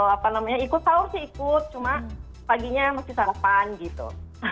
apa namanya ikut sahur sih ikut cuma paginya masih sarapan gitu